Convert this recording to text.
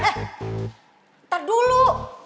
eh ntar dulu